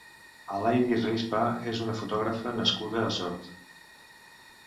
Aleydis Rispa és una fotògrafa nascuda a Sort.